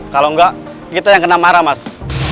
kalau enggak kita yang kena marah mas